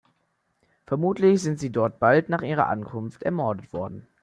Vermutlich sind sie dort bald nach ihrer Ankunft ermordet worden.